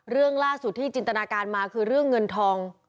เรื่องล่าสุดที่จินตนาการมาคือเรื่องเงินทอง